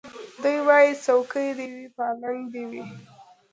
دی وايي څوکۍ دي وي پالنګ دي وي